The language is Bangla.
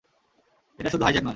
এটা শুধু হাইজ্যাক নয়।